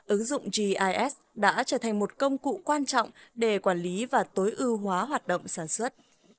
ứng dụng gis đã trở thành một công cụ quan trọng để quản lý và tối ưu hóa hoạt động sản xuất